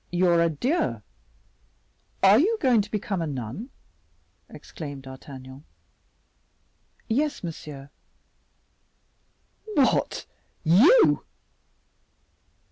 Your adieux! Are you going to become a nun?" exclaimed D'Artagnan. "Yes, monsieur." "What, you!!!"